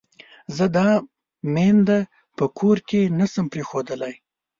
زه دا مينده په کور کې نه شم پرېښودلای.